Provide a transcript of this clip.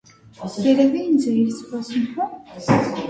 Երևի ինձ էիր սպասում, հա՞: